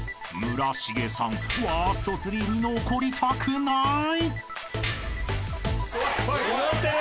［村重さんワースト３に残りたくない！］